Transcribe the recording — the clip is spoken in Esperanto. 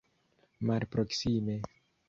malproksime